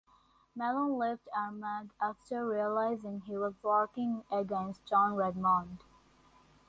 Malone left Armagh after realizing he was working against John Redmond.